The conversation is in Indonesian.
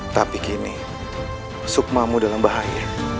tapi kini sukmamu dalam bahaya